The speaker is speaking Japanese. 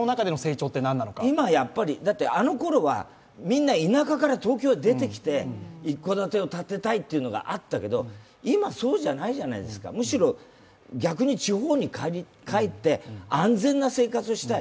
あのころはみんな田舎から東京に出てきて一戸建てを建てたいというのがあったけどむしろ、逆に地方に帰って安全な生活をしたい。